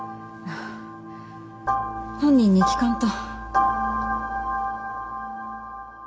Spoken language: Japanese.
本人に聞かんと。